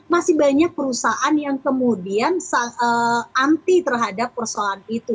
masih banyak perusahaan yang kemudian anti terhadap persoalan itu